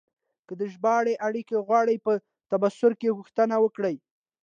که د ژباړې اړیکه غواړئ، په تبصره کې غوښتنه وکړئ.